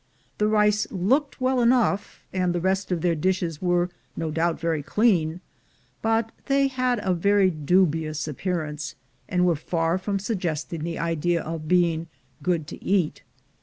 The rice looked well enough, and the rest of their dishes were no doubt very clean, but they had a very dubious appearance, and were far from suggesting the idea of being good to eat.